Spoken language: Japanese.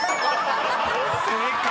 ［正解！